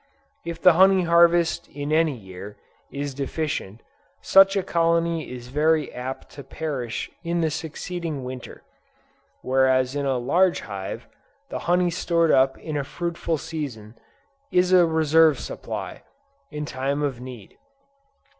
If the honey harvest in any year, is deficient, such a colony is very apt to perish in the succeeding Winter; whereas in a large hive, the honey stored up in a fruitful season, is a reserve supply, in time of need.